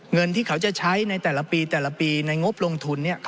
เงินที่เขาจะใช้ในแต่ละปีในงบลงทุนเนี่ย